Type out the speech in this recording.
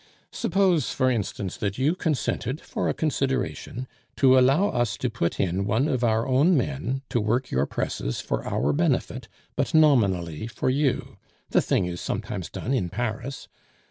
Suppose, for instance, that you consented for a consideration to allow us to put in one of our own men to work your presses for our benefit, but nominally for you; the thing is sometimes done in Paris.